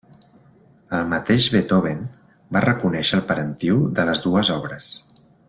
El mateix Beethoven va reconèixer el parentiu de les dues obres.